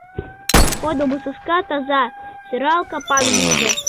Кодымо саска таза, сӧрал капан лийже.